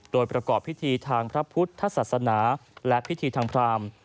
โดยประกอบพิธีทางพระพุทธศาสนาและพิธีทางพราม